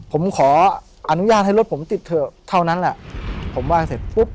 ผมขออนุญาตให้รถผมติดเถอะเท่านั้นแหละผมว่างเสร็จปุ๊บ